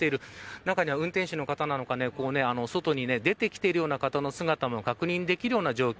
中には運転手の方なのか外に出てきてるような方の姿も確認できるような状況。